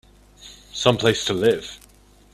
Some place to live!